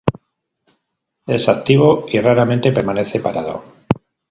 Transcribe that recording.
Es activo y raramente permanece parado.